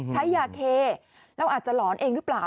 ใช้ยาเคแล้วอาจจะหลอนเองหรือเปล่า